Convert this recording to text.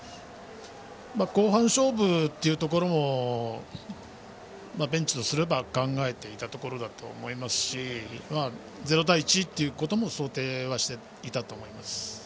後半勝負というところをベンチとすれば考えていたところだとは思いますし０対１というのも想定していたと思います。